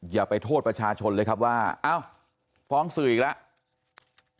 อย่าไปโทษประชาชนเลยครับว่าอ้าวฟ้องสื่ออีกแล้ว